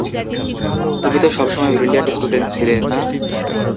তুমি তো সবসময় ব্রিলিয়ান্ট স্টুডেন্ট ছিলে, না?